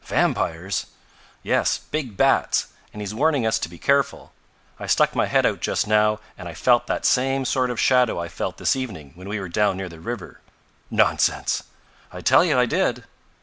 "Vampires?" "Yes. Big bats. And he's warning us to be careful. I stuck my head out just now and I felt that same sort of shadow I felt this evening when we were down near the river." "Nonsense!" "I tell you I did!"